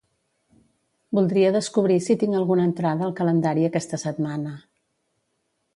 Voldria descobrir si tinc alguna entrada al calendari aquesta setmana.